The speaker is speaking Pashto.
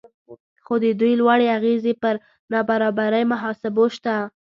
خو د دوی لوړې اغیزې پر نابرابرۍ محاسبو شته